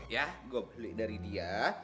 ya gue dari dia